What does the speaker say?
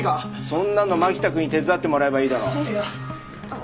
そんなの蒔田くんに手伝ってもらえばいいだろう。えっ！